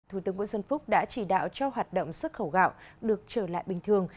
thủ tướng nguyễn xuân phúc đã chỉ đạo cho hoạt động xuất khẩu gạo được trở lại bình thường